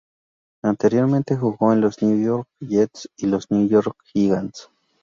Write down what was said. Anteriormente jugó con los New York Jets y los New York Giants.